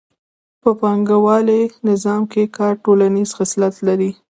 په پانګوالي نظام کې کار ټولنیز خصلت لري